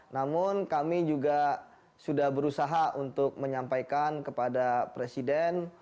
namun kami juga sudah berusaha untuk menyampaikan kepada presiden